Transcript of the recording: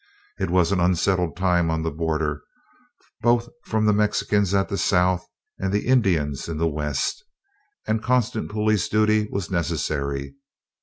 It was an unsettled time on the Border, both from the Mexicans at the South, and the Indians in the West, and constant police duty was necessary.